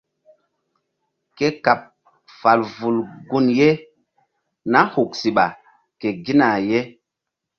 Ke kaɓ fal vul gun ye nah huk siɓa ke gina ye.